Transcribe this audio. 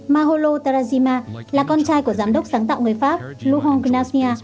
mahalo tarajima là con trai của giám đốc sáng tạo người pháp lujan gnashia